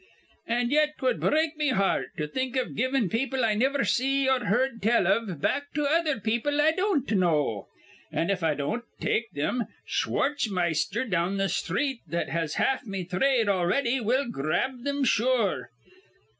An' yet 'twud break me heart to think iv givin' people I niver see or heerd tell iv back to other people I don't know. An', if I don't take thim, Schwartzmeister down th' sthreet, that has half me thrade already, will grab thim sure.